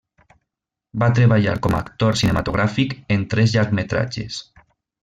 Va treballar com a actor cinematogràfic en tres llargmetratges.